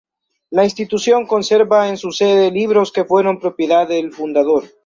La institución conserva en su sede libros que fueron propiedad del fundador.